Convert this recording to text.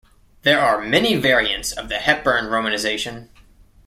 There are many variants of the Hepburn romanization.